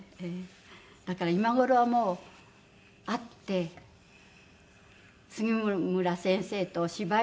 だから今頃はもう会って杉村先生と芝居の準備をする。